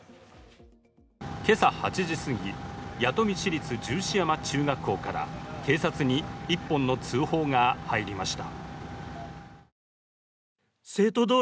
今朝８時すぎ、弥富市立十四山中学校から警察に一本の通報が入りました。